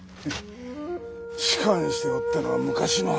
仕官しておったのは昔の話よ。